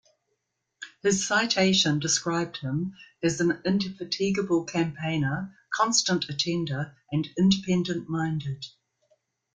His citation described him as "an indefatigable campaigner, constant attender and independent-minded".